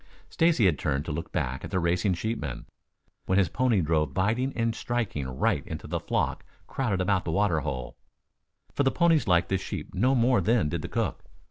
Stacy had turned to look back at the racing sheepmen, when his pony drove biting and striking right into the flock crowded about the water hole, for the ponies liked the sheep no more than did the cook.